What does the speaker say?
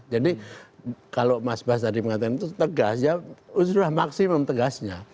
jadi kalau mas bas tadi mengatakan itu tegas ya sudah maksimum tegasnya